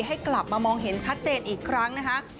ให้กลับมามองเห็นชัดเจนอีกครั้งนะคะ